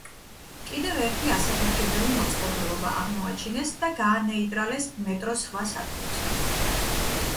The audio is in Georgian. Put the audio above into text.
კიდევ ერთი ასაფეთქებელი მოწყობილობა აღმოაჩინეს და გაანეიტრალეს მეტროს სხვა სადგურზე.